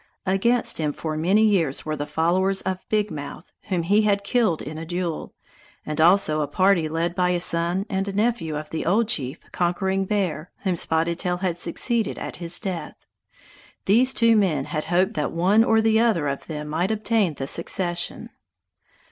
Against him for many years were the followers of Big Mouth, whom he had killed in a duel; and also a party led by a son and a nephew of the old chief, Conquering Bear, whom Spotted Tail had succeeded at his death. These two men had hoped that one or the other of them might obtain the succession.